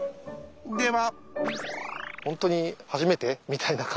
では！